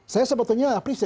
saya sebetulnya appreciate